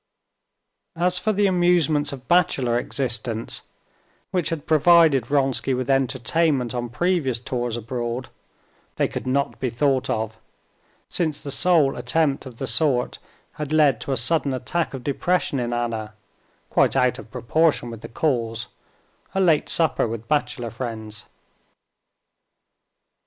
As for the amusements of bachelor existence, which had provided Vronsky with entertainment on previous tours abroad, they could not be thought of, since the sole attempt of the sort had led to a sudden attack of depression in Anna, quite out of proportion with the cause—a late supper with bachelor friends.